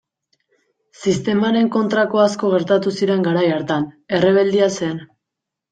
Sistemaren kontrako asko gertatu ziren garai hartan, errebeldia zen.